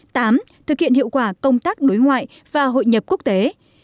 tám thực hiện hiệu quả công tác đối ngoại và hội nhập quốc tế